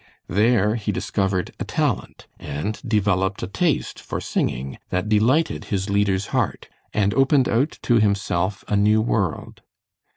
There he discovered a talent and developed a taste for singing that delighted his leader's heart, and opened out to himself a new world.